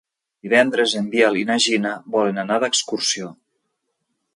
Divendres en Biel i na Gina volen anar d'excursió.